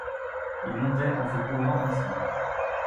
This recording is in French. ils montaient en se couvrant ainsi.